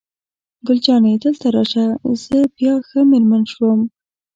ګل جانې: دلته راشه، زه بیا ښه مېرمن شوم.